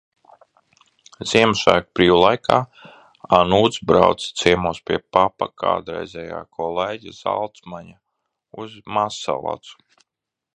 Ziemassvētku brīvlaikā Anūts brauca ciemos pie papa kādreizējā kolēģa, Zalcmaņa, uz Mazsalacu.